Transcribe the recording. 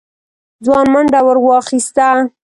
ځوان منډه ور واخيسته.